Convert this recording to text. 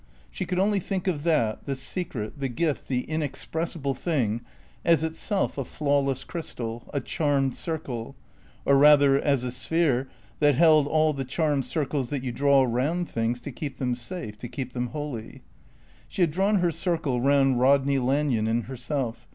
She could only think of that, the secret, the gift, the inexpressible thing, as itself a flawless crystal, a charmed circle; or rather, as a sphere that held all the charmed circles that you draw round things to keep them safe, to keep them holy. She had drawn her circle round Rodney Lanyon and herself.